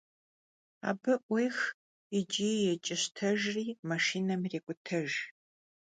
Abı 'uêx yiç'i yêç'ıştejjri maşşinem yirêk'utejj.